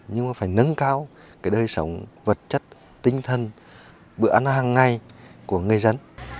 nhưng mà phải nâng cao cái đời sống vật chất tinh thần bữa ăn hàng ngày của người dân